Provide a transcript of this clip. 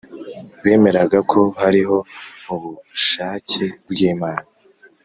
bemeraga ko hariho ubushake bw’imana,